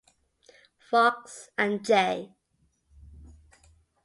Fox and J.